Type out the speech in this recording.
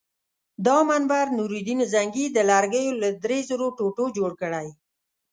دا منبر نورالدین زنګي د لرګیو له درې زرو ټوټو جوړ کړی.